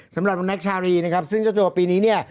สำหรับน้องแท็กชารีนะครับซึ่งเจ้าตัวปีนี้เนี่ย